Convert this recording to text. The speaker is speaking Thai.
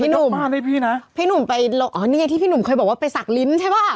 นั่นพี่หนุ่มที่พี่หนุ่มเคยบอกว่าไปสักลิ้นใช่ป่ะ